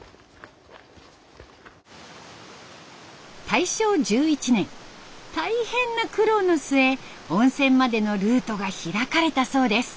大正１１年大変な苦労の末温泉までのルートが開かれたそうです。